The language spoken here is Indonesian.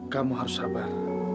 kamu harus sabar